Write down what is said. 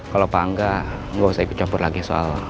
kalau pak angga gak usah ikut campur lagi soal